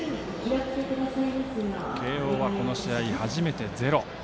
慶応はこの試合初めてゼロ。